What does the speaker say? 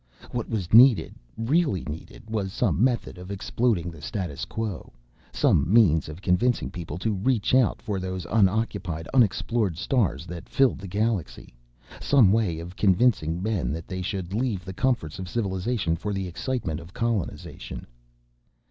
What was needed, really needed, was some method of exploding the status quo, some means of convincing people to reach out for those unoccupied, unexplored stars that filled the galaxy, some way of convincing men that they should leave the comforts of civilization for the excitement of colonization.